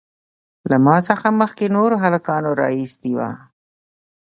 له ما څخه مخکې نورو هلکانو رااېستى وو.